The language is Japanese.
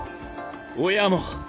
親も！